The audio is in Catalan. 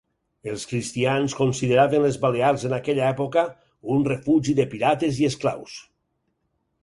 Els cristians consideraven les Balears en aquella època un refugi de pirates i esclaus.